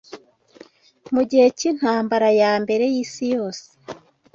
mugihe cyintambara ya mbere yisi yose